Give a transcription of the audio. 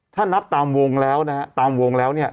ถ้านับตามวงแล้วนะฮะตามวงแล้วเนี่ย